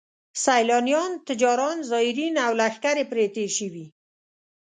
سیلانیان، تجاران، زایرین او لښکرې پرې تېر شوي.